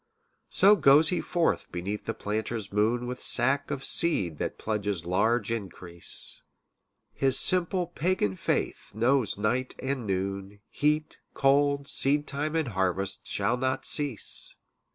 So goes he forth beneath the planter's moon With sack of seed that pledges large increase, His simple pagan faith knows night and noon, Heat, cold, seedtime and harvest shall not cease.